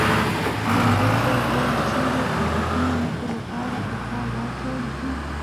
لومړي ځل ریل چیري او د کومې موخې لپاره په کار واچول شو؟